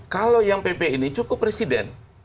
kalau yang pp ini cukup presiden